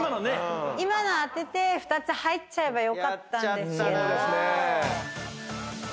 今の当てて２つ入っちゃえばよかったんですけど。